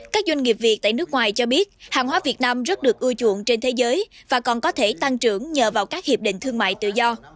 các doanh nghiệp việt tại nước ngoài cho biết hàng hóa việt nam rất được ưa chuộng trên thế giới và còn có thể tăng trưởng nhờ vào các hiệp định thương mại tự do